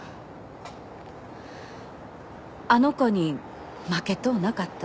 あの子に負けとうなかった。